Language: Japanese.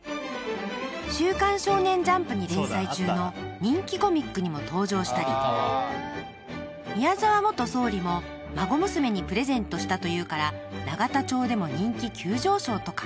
［『週刊少年ジャンプ』に連載中の人気コミックにも登場したり宮澤元総理も孫娘にプレゼントしたというから永田町でも人気急上昇とか］